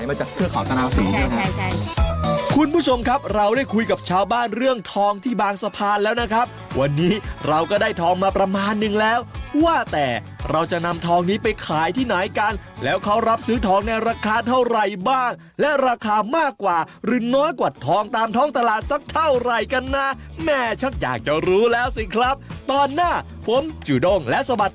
อาชีพเสริมของป้านีหรือว่าอาชีพเสริมของป้านีหรือว่าอาชีพเสริมของป้านีหรือว่าอาชีพเสริมของป้านีหรือว่าอาชีพเสริมของป้านีหรือว่าอาชีพเสริมของป้านีหรือว่าอาชีพเสริมของป้านีหรือว่าอาชีพเสริมของป้านีหรือว่าอาชีพเสริมของป้านีหรือว่าอาชีพเสริมของป้านีหรือว่าอ